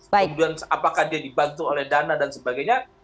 kemudian apakah dia dibantu oleh dana dan sebagainya